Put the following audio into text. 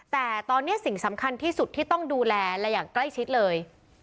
แต่ตอนนี้สิ่งสำคัญที่สุดที่ต้องดูแลและอย่างใกล้ชิดเลย